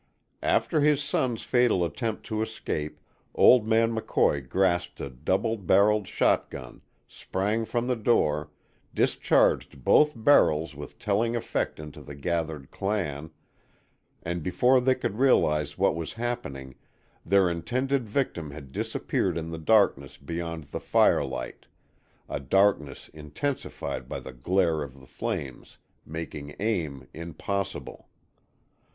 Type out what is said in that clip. After his son's fatal attempt to escape, old man McCoy grasped a double barreled shotgun, sprang from the door, discharged both barrels with telling effect into the gathered clan, and before they could realize what was happening their intended victim had disappeared in the darkness beyond the firelight, a darkness intensified by the glare of the flames, making aim impossible.